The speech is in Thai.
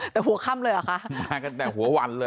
แต่หัวค่ำเลยหรอคะ